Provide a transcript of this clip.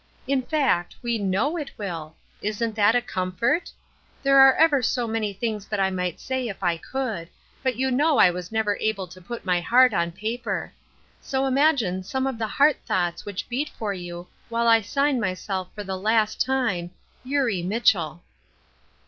In fact we know it will. Isn't that a comfort ? There are ever so many things that I might say if I could, but you know I was never able to put my heart on paper. So imagine some of the heart thoughts which beat for you, while I sign myself for the last time, " EuBiE Mitchell."